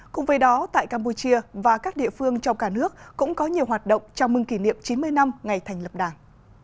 cùng với đó tại campuchia và các địa phương trong cả nước cũng có nhiều hoạt động chào mừng kỷ niệm chín mươi năm ngày thành lập đảng